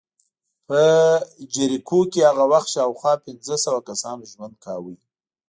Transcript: په جریکو کې هغه وخت شاوخوا پنځه سوه کسانو ژوند کاوه